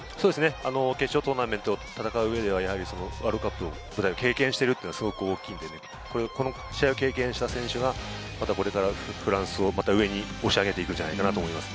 決勝トーナメントを戦う上ではワールドカップの舞台を経験しているのはすごく大きいので、この試合を経験した選手がまたこれからフランスを上に押し上げていくんじゃないかと思います。